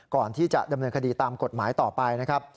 ก่อนที่จะดำเนินคดีตามกฎหมายต่อไปนะครับ